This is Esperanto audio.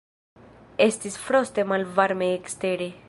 Estis froste malvarme ekstere.